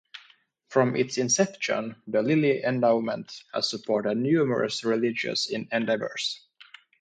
From its inception the Lilly Endowment has supported numerous religious endeavors.